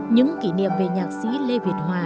những kỷ niệm về nhạc sĩ lê việt hòa